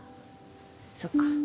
そっか。